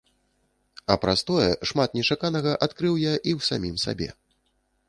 А праз тое шмат нечаканага адкрыў я і ў самім сабе.